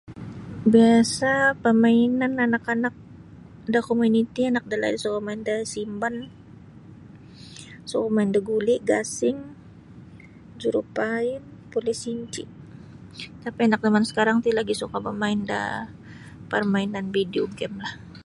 Biasa pemainan anak-ank da komuniti anak dalaid selau main da simban, main da gi gasing, jurupain, polis intip tapi anak zaman sekarang ti lebih suka main da permainan video game lah.